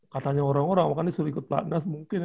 katanya orang orang makanya suruh ikut pelatnas mungkin ya